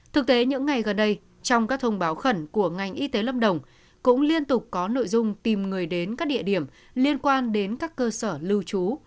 thực tế những ngày gần đây trong các thông báo khẩn của ngành y tế lâm đồng cũng liên tục có nội dung tìm người đến các địa điểm liên quan đến các cơ sở lưu trú